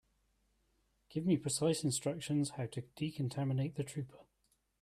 Give me precise instructions how to decontaminate the trooper.